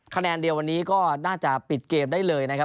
คะแนนเดียววันนี้ก็น่าจะปิดเกมได้เลยนะครับ